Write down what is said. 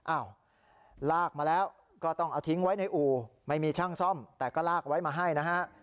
ลากมาแล้วก็ต้องเอาทิ้งไว้ในอู่ไม่มีช่างซ่อมแต่ก็ลากไว้มาให้นะฮะ